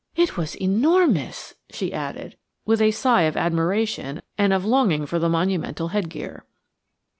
It was enormous," she added, with a sigh of admiration and of longing for the monumental headgear.